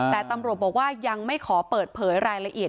แต่ตำรวจบอกว่ายังไม่ขอเปิดเผยรายละเอียด